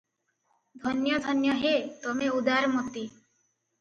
ଧନ୍ୟ ଧନ୍ୟ ହେ, ତମେ ଉଦାରମତି ।